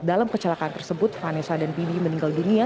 dalam kecelakaan tersebut vanessa dan bibi meninggal dunia